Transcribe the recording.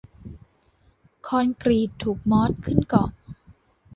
คอนกรีตถูกมอสขึ้นเกาะ